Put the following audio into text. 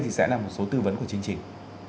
thì sẽ là một số tư vấn của chương trình